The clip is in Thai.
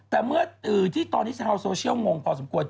แต่เมื่อที่ตอนนี้ชาวโซเชียลงงพอสมควร